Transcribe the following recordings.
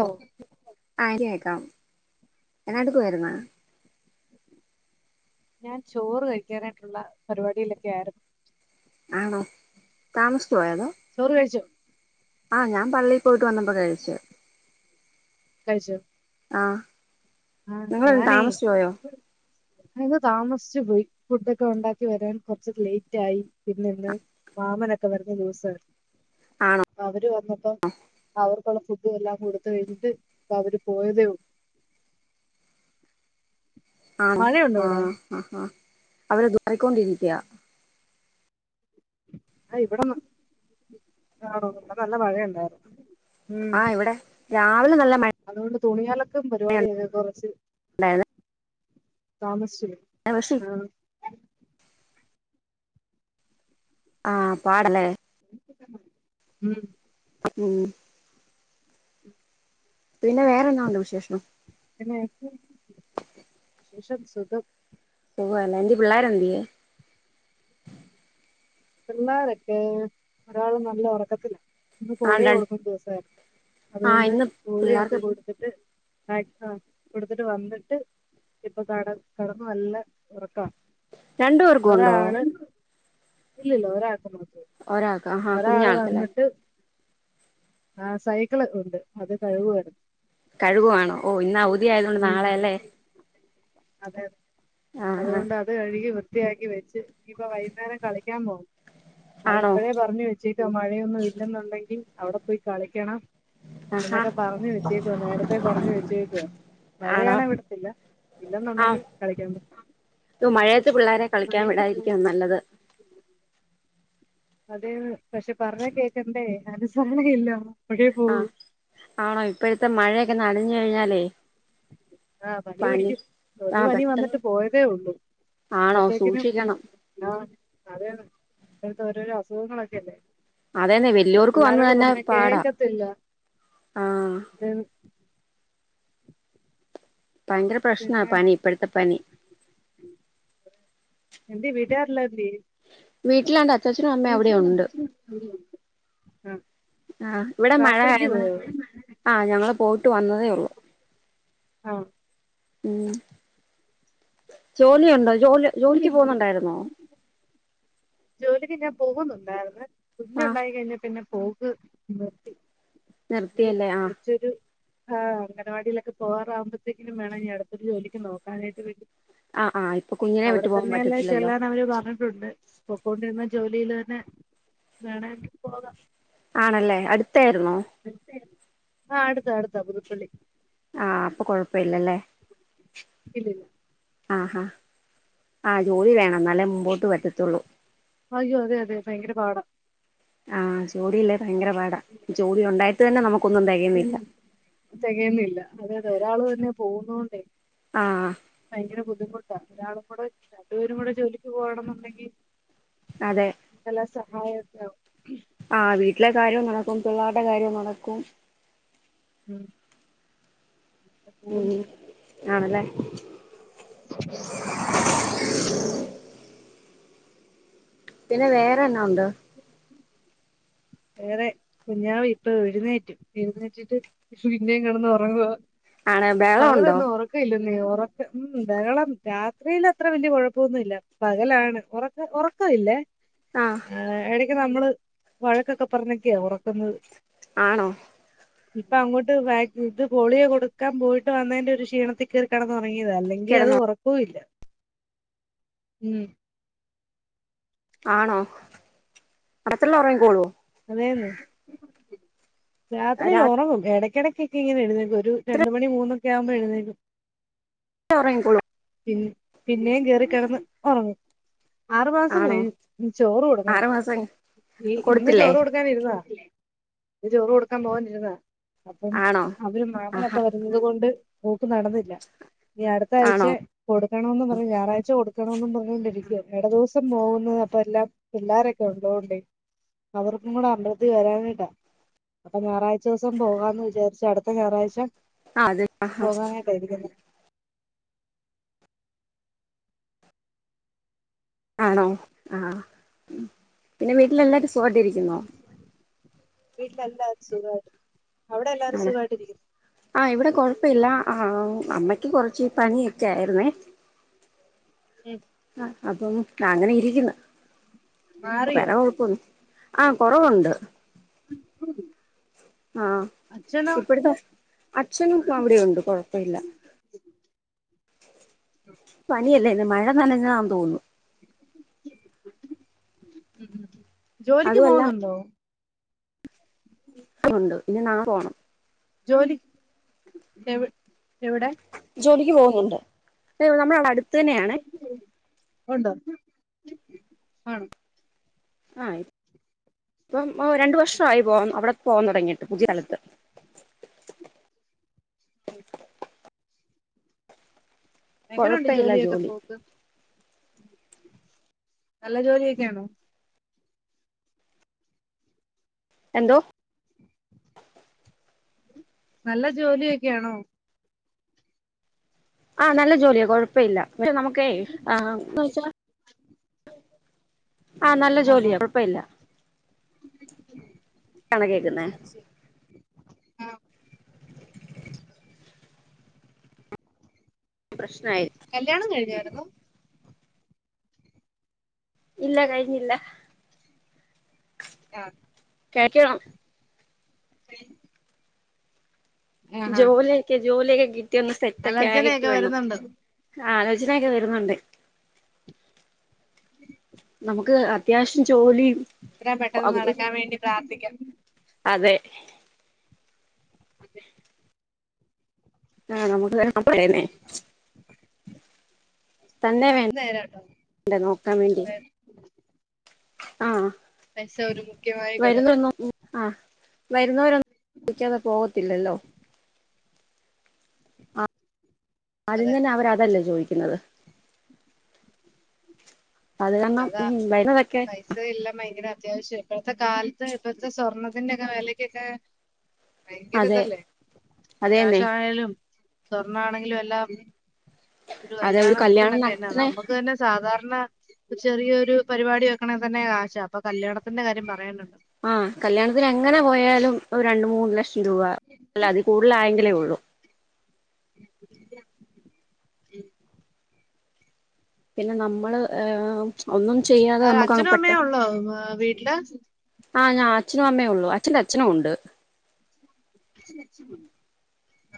ഓ ആഹ് കേക്കാം എന്നാടുക്കുവായിരുന്നു? ഞാൻ ചോറ് കഴിക്കാനായിട്ടുള്ള പരിപാടിയിലൊക്കെ ആയിരുന്നു. ആണോ താമസി ചോറ് കഴിച്ചോ? ആഹ് ഞാൻ പള്ളി പോയിട്ട് വന്നപ്പോ കഴിച്ചു. ആഹ് ആഹ് ഞാനെയ്‌ [unintelligible] താമസിച്ച് [unintelligible] പോയി ഫുഡൊക്കെ ഒണ്ടാക്കി വരാൻ കുറച്ച് ലേറ്റ് ആയി, പിന്നെ ഇന്ന് മാമനൊക്കെ വരുന്ന ദിവസായിരുന്നു. ആണോ അവര് വന്നപ്പോ അവർ ഇള്ള ഫുഡ് എല്ലാം കൊടുത്ത് കഴിഞ്ഞിട്ട് ഇപ്പൊ അവര് പോയതേ ഒള്ളൂ. ആണോ മഴയുണ്ടോ അവിടെ ആഹ് ആഹ് അവര് [unintelligible] അ ഇവടെ ന്ന ആണോ ഇവിടെ നല്ല മഴ ഇണ്ടായിരുന്നു ആഹ് ഇവടെ രാവ് അതുകൊണ്ട് തുണിയലൊക്കം പരിപാടി [unintelligible] കൊറച്ച് ഉണ്ടായിരുന്നു താമസി പക്ഷെ ആഹ് ആ പാടലേ ഉം മ് പിന്നെ വേറെന്താ ഉണ്ട വിശേഷം [unintelligible] ശേഷം സു ഖം ഓ അല്ല എതി പിള്ളോര എതിയ പിള്ളാരൊക്കെ ഒരാള്ും നല്ല ഉറക്കത്തില ഇന്ന് ആ പോളിയോ രണ്ട് കൊടുക്കുന്ന ദിവസായിരുന്നു ആ അതുകൊണ്ട് ഇന്ന് പോളിയ ഒക്കെ പിള്ളേർക്ക് കൊടുത്തിട്ട് [unintelligible] കൊടുത്തിട്ട് വന്നിട്ട് ഇപ്പൊ കട കടന്നു നല്ല ഉറക്കാ രണ്ട്ു പേർക്ക ഉണ്ടോ ഇല്ലല്ല ഒരാൾക്ക് നോക്ക ഒരാൾക്ക് ആഹാ ഒരാള് കുഞ്ഞാൾക്കല്ലേ വന്നിട്ട് ആ സൈക്കിള് ഉണ്ട് അത് കഴിവുായിരുന്നു കഴുകുണോ ഓ ഇന്ന അവധി ആയതുകൊണ്ട് നാളെയ അല്ലേ അതെതെ അതുകൊണ്ട് അത് കഴുകി വ വൃത്തിയാക്കി വെച്ച് ഇനിയിപ്പ വൈകുന്നേരം കളിക്കാൻ പോകും ആണോ അത്പ്പോഴേ പറഞ്ഞു വെച്ചേക്ക മഴയൊന്നും ഇല്ലെന്നുണ്ടെങ്കിൽ അവിടെ പോയി കളിക്കണം ആഹാ എന്തൊക്കെ പറഞ്ഞു വെച്ചേക്കുവ നേരത്തെ പറഞ്ഞു വെച്ചേക്കുവ ആണോ മഴയാണ ഇവിടത്തില്ല ഇല്ലെന്നുണ്ടെങ്കിൽ കളിക്കാൻ ഇ മഴയത്ത് പിള്ളോര കളിക്കാൻ വിടാതിരിക്കുവ നല്ലത് അതെ പക്ഷെ പറഞ്ഞാ കേക്കണ്ടേ അനുസരണ ഇല്ല ആ ആണോ ഇപ്പോഴത്തെ മഴയൊക്കെ നനഞ്ഞു കഴിഞ്ഞാലേ ആ പനി പിടിക്കും ഒരുത് ആഹ് പനി പെട്ടെന്ന് വന്നിട്ട് പോയതേ ഉള്ളൂ ആണോ അപ്പത്തേക്കിനും സൂക്ഷിക്കണം ആ അത അത്തെ ഓരോരോ അസുഖങ്ങളൊക്കെല്ലേ അതന്നെ അത് വല്യോർക്ക് വന്ന് പിള്ളരോട് തന്നെ പറഞ്ഞ പാടാ കേക്കത്തില്ല ആഹ് [unintelligible] ഭയങ്കര പ്രശ്ന പനി ഇപ്പഴത്തെ പനി എന്ത് വീട്ടാരല്ലർല്ല വീട്ടിലാ ആ ആ ഇവിടെ മഴ രാത്രിക്ക് ആയിരുന്നു പോയോ ആ ഞങ്ങള് പോയിട്ട് വന്നതേ ഉള്ളു ആ മ് ജോലിയ ഉണ്ടോ ജോലി ജോലിക്ക് പോുന്നുണ്ടായിരുന്നോ ജോലിക്ക് ഞാൻ പോകുന്നുണ്ടായിന്ന് കുഞ്ഞെ ആഹ് ഉണ്ടായി കഴിഞ്ഞാ പിന്നെ പോക നിർത്തി നിർത്തിയല്ലേ ആ ആഹ് അനവാടിയിലൊക്കെ പോകറാകുമ്പഴത്തേക്കും വേണം ഞ അടുത്തരു ജോലിക്ക് നോക്കാനായിട്ട് വേണ്ടി ആഹ് ആഹ് ഇപ്പൊ കുഞ്ഞിനെ അവിടെ വിട്ടു പോകാൻ തന്നെയല്ലേ പറ്റത്തില്ലല്ലോ ചെല്ലാൻ അവര് പറഞ്ഞിട്ടുണ്ട് പോൊയിക്കൊണ്ടിരുന്ന ജോലിൽ തന്നെ വേണെ പോകാം ആണല്ലേ അടുത്തായിുന്നോ ആ അടുത്താ അടുത്താ ബതുുപ്പള്ളി ആഅപ്പൊ കൊഴപ്പില്ലല്ലേ ഇല്ലില്ല ആഹാ ആ ജോലി വേണം എന്നാലേ മുമ്പോട്ട് പറ്റത്തുള്ളൂ അയ്യോ അതെ അതെ ഭയങ്കര പാടാ ആഹജോലില്ലേ ഭയങ്കര പാടാ ജോടിി ഉണ്ടായിട്ട തന്നെ നമുക്കൊന്നും തകയുന്ണില്ല അതെതെ ഒരാൾ തന്നെ പോകുന്നണ്ടേ ആഹ് ഭയങ്കര ബുദ്ധിമുട ഒരാളും കൂടെണ്ടുപേരും കൂടെ ജോലിക്ക് പോകണം എന്നുണ്ടെങ്കിൽല്ല അതെ [inaudible] ആ വീട്ടിലെ കാര്യവും നടക്കും പിള്ളേരുടെ കാര്യവും നടക്കും ഉം പോന്നു ഉം ആണല്ലേ പിന്നെ വേറെ എന്നാഉണ്ട് വേറെ കുഞ്ഞാവ ഇപ്പൊ എഴുന്നേറ്റും എഴുന്നേറ്റിട്ട് ഇന്നയും കിണന്ന് ഉറങ്ങു പോവാ ആണ് ബഹളം ഉണ്ടോ പകലൊന്നും ഉറക്കവി ല്ല ഉറക്ക ഉ ബഹളം രാത്രിയിൽ അത്ര വലിയ കുഴപ്പൊന്നുവില്ല പകലാണ് ഉറക്ക ഉറക്ക വില്ലേ ആ നമ്മള് വഴക്കൊക്കെ പറഞ്ഞക്കെയാ ഉറക്കുന്നത് ആണോ ഇപ്പൊ അങ്ങോട്ട് വാ ഇത് പോളിയോ കൊടുക്കാൻ പോയിട്ട് വന്നതിന്റെ ഒരു ക്ഷീണത്തിൽ കേറിക്കെടന്നതാ തുങ്ങിയതാ അല്ലെങ്കിൽ അത് കിടന്നോ ഉറക്കവുമില്ല ആണോ അടത്തുള്ള ഉറങ്ങിക്കോളുവോ അതേന്നേ രാത്രിയിൽ രാത്രി ഉറങ്ങും ഇടക്കിടക്കൊക്കെ ഇങ്ങനെ എഴുന്നേക്കും ഒരു രണ്ട് മണി മൂന്നൊ ക്കെ ആവുമ്പൊ എഴുന്നേക്കും ഉറങ്ങിക്കോളും പി പിന്നെയും കയറി കിടന്ന് ഉറങ്ങും ആറ് മാസം ആണോ കഴിഞ്ഞു ഇനി ചോറ് കൊടുക്കണം ആറു മാസം ഈ ഇന്ന് കൊടുത്തില്ലേ ചോറ് കൊടുക്കാൻ ഇരുന്നതാ ഇന്ന് ചോറ് കൊടുക്കാൻ പോകാനിരുന്നതാ അപ്പം ആണോ അവര് ആഹ് മാമനൊക്കെ വരുന്നത് കൊണ്ട് പോക്ക് നടന്നില്ല ഇനി ആണോ അടുത്താഴ്ച്ചെ കൊടുക്കണോന്ന് പറഞ്ഞ് ഞായറാഴ്ച കൊടുക്കണോന്ന് പറഞ്ഞൊണ്ടിരിക്ക ഇട ദിവസം പോകുന്നത് അപ്പ എല്ലാം പിള്ളാരൊക്കെ ഒള്ളോണ്ടേ അവർക്കും കൂടെ അമ്പലത്തിൽ വരാനായിട്ടാ അപ്പം ഞായറാഴ്ച ദിവസം പോവാന്ന് വിചാരിച്ചു അടുത്ത ഞായറാഴ്ച ആഹ് അത് പോകാനായിട്ടാ ഇരിക്കുന്നേ ആണോ ആ പിന്നെ വീട്ടില് എല്ലാരും സുഖവായിട്ടിരിക്കുന്നോ വീട്ടില് എല്ലാവരും സുഖമായിട്ടിരിക്കുന്നു അവിടെ എല്ലാരും ആണ് സുഖമായിട്ടിരിക്കുന്നോ ആ ഇവിടെ കൊഴപ്പവില്ല ആ അമ്മക്ക് കൊറച്ച് പനിയൊക്കെ ആയിരുന്നേ ഉം ആ അപ്പം ആ അങ്ങനെ ഇരിക്കുന്നു മാറിയോ വേറെ കൊഴപ്പ ആ കൊറവൊണ്ട് ഉം ആ ഇപ്പഴത്തെ അച്ഛനും ഇപ്പോ അവിടെയുണ്ട് കൊഴപ്പവില്ല പനിയല്ലേ ഈ മഴ നനഞ്ഞതാന്ന് തോന്നുന്നു ഉം ഉം ജോലിക്ക് അതുമല്ല പോകുന്നുണ്ടോ ഉണ്ട് ഇനി നാളെ പോണം ജോലി എവി എവിടെ ജോലിക്ക് പോന്നുണ്ട് ആ നമ്മടവിടെ അടുത്ത് തന്നെയാണേ ഉണ്ട് ആണ് ആ ഇപ്പം രണ്ട് വർഷമായി പോ അവിടെ പോവാ തുടങ്ങിട്ട് പുതിയ സ്ഥലത്ത് ആ എങ്ങനെയുണ്ട് കൊഴപ്പമില്ല ജോലിയൊക്കെ ജോലി പോക്ക് നല്ല ജോലിയൊക്കെയാണോ എന്തോ നല്ല ജോലിയൊക്കെയാണോ ആ നല്ല ജോലിയാ കൊഴപ്പവില്ല പക്ഷെ നമ്മുക്കേ ആ എന്ന് വെച്ചാ ആ നല്ല ആഹാ ജോലിയാ കൊഴപ്പവില്ല ണോ കേക്കുന്നേ അത് ശരി ആ പ്രശ്നായി കല്യാണം കഴിഞ്ഞായിരുന്നു ഇല്ല കഴിഞ്ഞില്ല ആ കേക്ക ഹം പിൻ ജോല്യെക്കെ ജോല്യെക്കെ കിട്ടി ഒന്ന് സെറ്റ ഒക്കെ ആയിട്ട് ആലോചനയൊക്കെ വേണം വരുന്നുണ്ട് ആലോചന ഒക്കെ വരുന്നുണ്ട് നമുക്ക് അത്യാവശ്യം ജോലി എത്രയും പെട്ടെന്ന് [unintelligible] നടക്കാൻ വേണ്ടി പ്രാർത്ഥിക്കാം അതെ ആഹ് നമുക്ക് തരണ പറയന്നേ തന്നെ അത് വേണ്ട് നേരാട്ടോ ണ്ടെ നോക്കാ വേണ്ടി ഇപ്പ ആഹ് പൈസ ഒരു മുഖ്യമായ ഘടകം വരുന്നൊന്നു ഉം ആഹ് വരുന്നവരൊ [unintelligible] ന്നു വിളിക്കാതെ പോവത്തില്ലല്ലോ ആദ്യം അതെ തന്നെ അവരതല്ലേ ചോയിക്കുന്നത് അതാ പൈസ എല്ലാം ഭയങ്കര അത്യാവശ്യ ഇപ്പോഴത്തെ കാലത്ത് ഇപ്പത്തെ സ്വർണത്തിന്റെയൊക്കെ വെലക്കൊക്കെ ഭയങ്കര അതെ ഇതല്ലേ അതെന്നെ ക്യാഷ് ആണേലും സ്വർണ ആണെങ്കിലും എല്ലാം ഒരു അതെ കല്യാണം കല്യാണത്തിനൊക്കെന്നെ നടത്തണേ നമ്മക്ക് തന്നെ സാധാരണ ണ ചെറിയ ഒരു പരിപാടി വെക്കെണെ തന്നെ കാശാ അപ്പൊ കല്യാണത്തിന്റെ കാര്യം പറയാനുണ്ട് ആഹ് കല്യാണത്തിന് എങ്ങനെ പോയാലും ഒരു രണ്ട് മൂന്ന് ലക്ഷം തുവാ അല്ല അത് കൂടുല ആയെങ്കിലെ ഒള്ളു ഉം പിന്നെ നമ്മള് ഏഹ് ഒന്നും ചെയ്യാതെ നമ്മുക്ക് അങ്ങ് പെട്ടെ ഇല്ലാ ആഹ് ഞാൻ അഛനും അമ്മേ ഉള്ളു അച്ഛന്റെ അച്ഛനും ഉണ്ട്.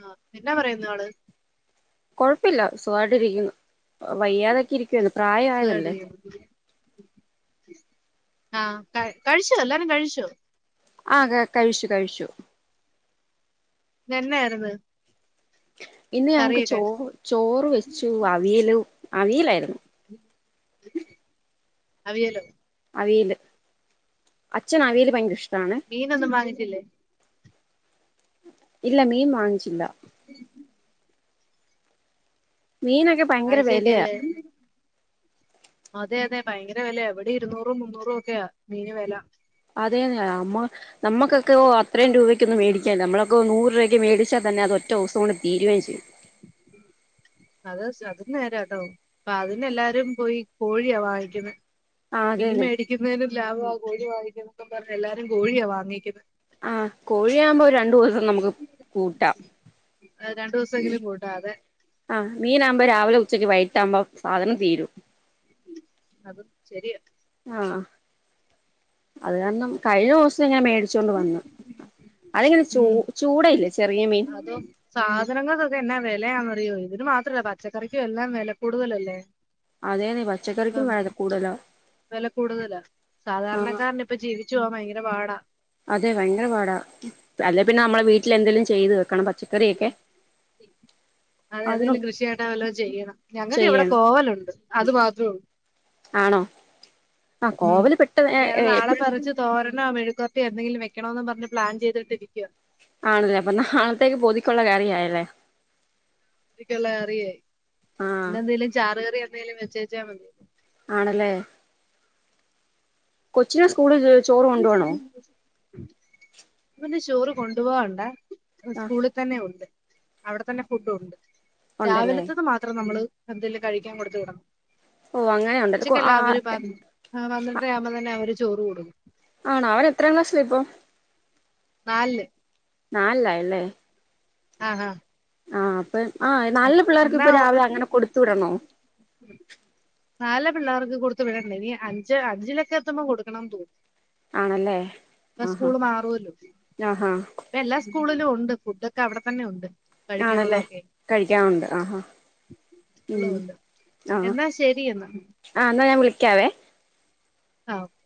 ആഹ് എന്നാ പറയുന്നാള് കൊഴപ്പില്ല സുഖവായിട്ടിരിക്കുന്നു. വയ്യാതെക്കെ ഇരിക്കുവാരുന്നു പ്രായവായതല്ലേ. സുഖായിട്ടിരിക്കുന്നു ആഹ് ക കഴിച്ചോ എല്ലാരും കഴിച്ചോ? ആഹ് ക കഴിച്ചു കഴിച്ചു. ഇന്നെന്നായിരുന്ന്? ഇന്ന് ഞങ്ങക്ക് ചോ ചോറ് വെച്ചു അവിയലും അവിയലായിരുന്നു. അവിയലോ? അവിയല് അച്ഛന് അവിയല് ഭയങ്കര ഇഷ് മീനൊന്നും വാങ്ങിച്ചില്ലേ? ഇല്ല മീൻ വാങ്ങിച്ചില്ല. ആഹ് മീനൊക്കെ ഭയങ്കര ഞാറാഴ്ച്ച വിലയാ ഒക്കെയല്ലെ അതെ അതെ ഭയങ്കര വെലയാ ഇവിടെ ഇരുന്നൂറും മുന്നൂറും ഒക്കെയാ മീന് വെല. അതേന്ന് അമ്മള് നമ്മക്കൊക്കെ ഓഹ് അത്രയും രൂപയ്ക്കൊന്നും മേടിക്കാനില്ല നമ്മളൊക്കെ നൂറ് രൂപക്ക് മേടി ച്ചാ തന്നെ അത് ഒറ്റ ദിവസം കൊണ്ട് തീരുവേം ചെയ്യും അത് സ് അത് നേരാട്ടോ അപ്പൊ അതിനെല്ലാരും പോയി കോഴിയാ വാങ്ങിക്കുന്നെ ആഹ് മീൻ അതേന്നെ മേടിക്കുന്നതിലും ലാഭവാ കോഴി വാങ്ങിക്കുന്നേന്നും പറഞ്ഞ് എല്ലാരും കോഴിയാ വാങ്ങിക്കുന്നേ ആഹ് കോഴിയാവുമ്പോ ഒരണ്ടൂസം നമുക്ക് കൂട്ടാം. അത് രണ്ടൂസെങ്കിലും കൂട്ടാ അതെ. ആഹ് മീനാവുമ്പോ രാവിലെ ഉച്ചക്ക് വൈട്ടാമ്പം സാധനം തീരും. അതും ശെരിയാ. അഹ് ആഹ് അത് കാരണം കഴിഞ്ഞോസം ഞാൻ മേടിച്ചോണ്ട് വന്ന്. ഉം അതോ സാധനങ്ങക്കൊക്കെ എന്നാ വെലയാന്ന് അറി ഇയ്യോ ഇതിന് മാത്രല്ല പച്ചക്കറിക്കുവെല്ലാം വെല കൂടുതലല്ലേ? അതെന്നേ പച്ചക്കറിക്കും ഇപ്പം വെല കൂടുതലാ. വെല കൂടുതലാ ആഹ് സാധാരണക്കാരന് ഇപ്പ ജീവിച്ചു പോകാൻ ഭയങ്കര പാടാ അതെ ഭയങ്കര പാടാ, അല്ലെ പിന്നെ നമ്മളെ വീട്ടിൽ എന്തെലും ചെയ്ത് വെക്കണം പച്ചക്കറിയൊക്കെ. അത അതിനും ഏതെങ്കിലും കൃഷിയായിട്ടാ വല്ലതും ആയിട്ട്ചെയ്യണം ഞങ്ങൾക്ക് ഇവിടെ ചെയ്യണം കോവലുണ്ട് അത് മാത്രേഒ ള്ളൂ ആണോ ആഹ് ഉ കോവല് പെട്ടെന്ന് ഇനി അത് നാളെ എപ്പഴും പറച്ച് തോരനോ മെഴു പക്കർത്തി എന്തെകിലേ വെക്കണോന്ന് പറഞ് പ്ലാൻ ചെയ്തിട്ടിരിക്കോ ആണല്ലേ അപ്പൊ നാളത്തേക്ക് പൊതിക്കുള്ള കറിആയ ലേ ഉചക്കുള്ള കറിയായി ഇന്ന് എന്തേലും ചാറ് കറി എന്തെലും വെച്ചേച്ചാ മതി ആണല്ലേ കൊച്ചിെ സ്കൂളില് അപ്പൊ ന്ന് ചോറ് കൊണ്ടു പോവണ്ടാ ആഹ് സ്കൂളിൽ തന്നെ ഉണ്ട് അവിടെ തന്നെ ഫുഡ് ഉണ്ട് ഉണ്ടല്ലേ രാവിലത്തത് മാത്രം നമ്മള് എന്തെലും കഴിക്കാൻ കൊടു വിടണം ഓ അങ്ങനെയുണ്ടല്ലേ കു ഉച്ചക്കല്ല ആ അവര് പന്ത്രണ്ടര ആവുമ്പോ തന്നെ അവര് ചോറ് കൊടു ആണോ അവര്എത്രാം ക്ലാസ്സില ഇപ്പോ നാല് ല് നാലിൽ ആയല്ലേ ആ ആ ആ അപ്പൊ നാല്‌ ലെപിള്ളേർക്ക് എന്നാ അങ്ങനെരാവിലെ അങ്ങനെ കൊടുത്തു വിടണോ നാലല് പിള്ളേർക്ക് കൊടുത്ത് വിടണ്ടഇനി അഞ്ച് അഞ്ചിലക്കെത്തുമ്പോ കൊടുക്കണംന്ന് തോന്നു.. ആണല്ലേ ഇപ്പ ആഹാ സ്കൂള് മാറുവല്ലോ ആഹാ എല്ലാ സ്കൂളിലും ഉണ്ട് ഫുഡ്ഒക്കെ അവിടെ തന്നെ ഉണ്ട് ആണല്ലേ കഴിക്കാനുള്ളതൊക്കെ കഴിക്കാനുണ്ട് ആഹാ ഉം ഉള്ളതുണ്ട് ആഹ എന്നാ ശരി എന്നാ ആ എന്നാൽ ഞാൻ വിളിക്കാവേ ആ ഓക്കെ